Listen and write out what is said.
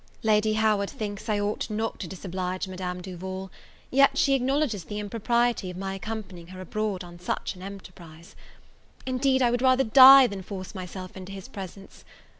Lady Howard thinks I ought not to disoblige Madame Duval, yet she acknowledges the impropriety of my accompanying her abroad on such an enterprise. Indeed, I would rather die than force myself into his presence.